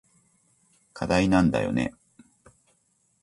課題なんだよね。